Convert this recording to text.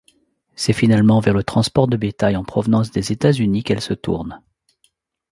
C'est finalement vers le transport de bétail en provenance des États-Unis qu'elle se tourne.